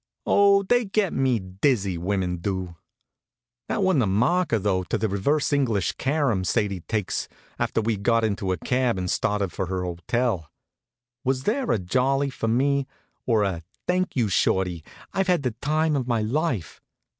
Oh, they get me dizzy, women do! That wa'n't a marker though, to the reverse English carom Sadie takes after we'd got into a cab and started for her hotel. Was there a jolly for me, or a "Thank you, Shorty, I've had the time of my life?"